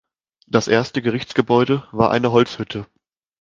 Das erste Gerichtsgebäude war eine Holzhütte.